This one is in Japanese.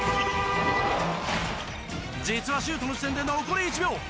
実はシュートの時点で残り１秒。